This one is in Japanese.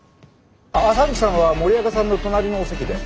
麻吹さんは森若さんの隣のお席で。